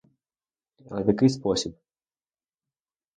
Але в який спосіб?